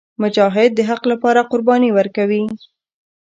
مجاهد د حق لپاره قرباني ورکوي.